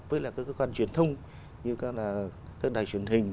với các cơ quan truyền thông như các đài truyền hình